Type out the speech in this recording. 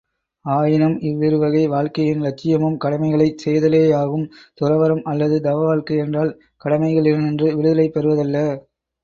ஆயினும், இவ்விருவகை வாழ்க்கையின் இலட்சியமும் கடமைகளைச் செய்தலேயாகும்.துறவறம் அல்லது தவ வாழ்க்கை என்றால் கடமைகளினின்று விடுதலை பெறுதலல்ல.